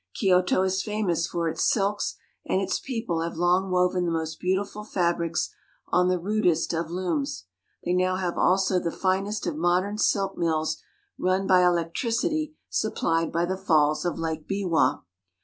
Kyoto is famous for its silks, and its people have long woven the most beautiful fabrics on the rudest of looms. They now have also the finest of modern silk mills run by electricity supplied by the falls of Lake Biwa.